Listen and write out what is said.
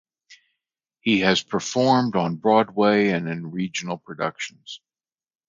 He has performed on Broadway and in regional productions.